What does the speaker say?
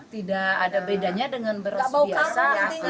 tidak ada bedanya dengan beras biasa